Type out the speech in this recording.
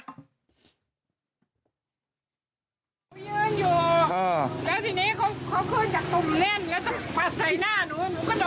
ยืนอยู่อ่าแล้วทีนี้เขาเข้าขึ้นจากตรงเล่นแล้วจะปาดใส่หน้าหนู